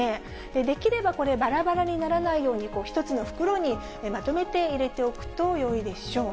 できればこれ、ばらばらにならないように、１つの袋にまとめて入れておくとよいでしょう。